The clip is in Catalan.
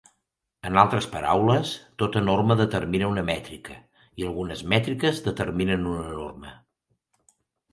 En altres paraules, tota norma determina una mètrica, i algunes mètriques determinen una norma.